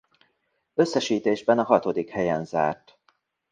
Összesítésben a hatodik helyen zárt.